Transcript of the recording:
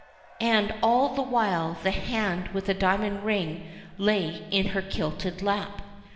And all the while the hand with the diamond ring lay in her kilted lap.